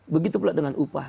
begitu pula dengan upah